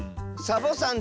サボさん？